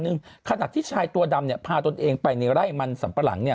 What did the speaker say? ขณะที่ชายตัวดำเนี่ยพาตนเองไปในไร่มันสัมปะหลังเนี่ย